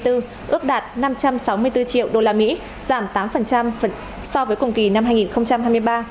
ước đạt năm trăm sáu mươi bốn triệu đô la mỹ giảm tám so với cùng kỳ năm hai nghìn hai mươi ba